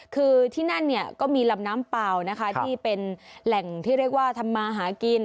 คือที่นั่นเนี่ยก็มีลำน้ำเปล่านะคะที่เป็นแหล่งที่เรียกว่าทำมาหากิน